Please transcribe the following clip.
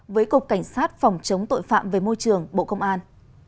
với cục cảnh sát phòng chống tội phạm về môi trường bộ công an